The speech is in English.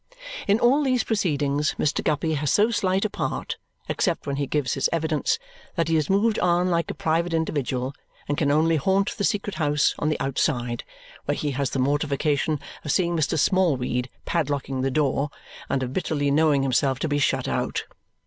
In all these proceedings Mr. Guppy has so slight a part, except when he gives his evidence, that he is moved on like a private individual and can only haunt the secret house on the outside, where he has the mortification of seeing Mr. Smallweed padlocking the door, and of bitterly knowing himself to be shut out.